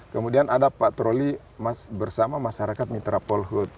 kemudian ada patroli bersama masyarakat mitra polhut